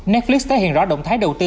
netflix đã hiện rõ động thái đầu tư